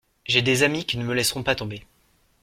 J’ai des amis qui ne me laisseront pas tomber.